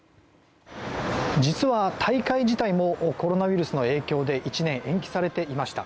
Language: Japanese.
実は、大会自体もコロナウイルスの影響で１年延期されていました。